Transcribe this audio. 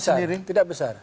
saya kira tidak besar